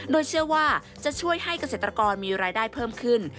โดยเชื่อว่าจะช่วยให้เกษตรกรมีรายได้เพิ่มขึ้น